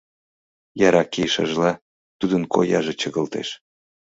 Яра кийышыжла тудын кояже чыгылтеш...